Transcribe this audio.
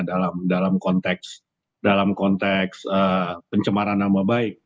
dalam konteks pencemaran nama baik